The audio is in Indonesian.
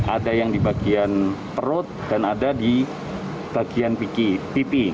ada yang di bagian perut dan ada di bagian pipi